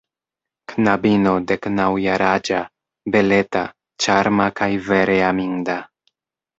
Knabino deknaŭjaraĝa, beleta, ĉarma kaj vere aminda.